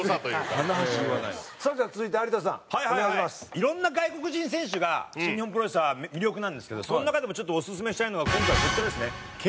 いろんな外国人選手が新日本プロレスは魅力なんですけどその中でもオススメしたいのは今回こちらですね。